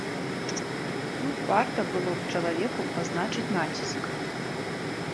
Тут варта было б чалавеку пазначыць націск.